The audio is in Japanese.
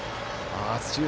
土浦